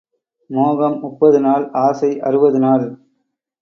மோகம் முப்பது நாள், ஆசை அறுபது நாள்.